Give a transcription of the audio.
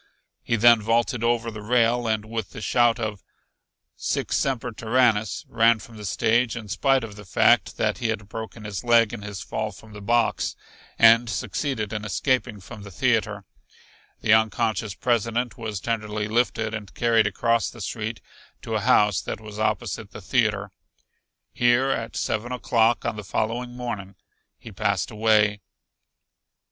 He then vaulted over the rail and with the shout of "sic semper tyrannis" ran from the stage in spite of the fact that he had broken his leg in his fall from the box, and succeeded in escaping from the theater. The unconscious President was tenderly lifted and carried across the street to a house that was opposite the theater. Here at seven o'clock on the following morning he passed away.